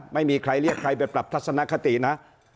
ไม่มีใครเรียกใครไปปรับทัศนคตินะ